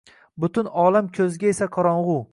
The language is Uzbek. Butun olam ko’zga esa qorong’i